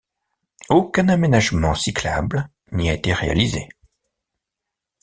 Aucun aménagement cyclable n'y a été réalisé.